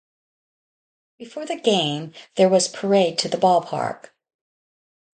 Before the game there was parade to the ballpark.